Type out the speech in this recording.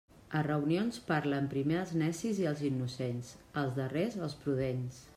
A reunions parlen primer els necis i els innocents; els darrers, els prudents.